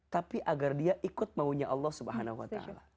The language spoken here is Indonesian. tapi agar dia ikut maunya allah swt